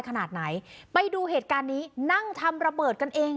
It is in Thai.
ขนาดไหนไปดูเหตุการณ์นี้นั่งทำระเบิดกันเอง